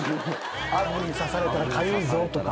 「アブに刺されたらかゆいぞ」とか。